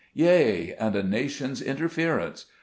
Yea, and a nation's interference!